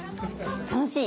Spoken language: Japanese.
楽しい？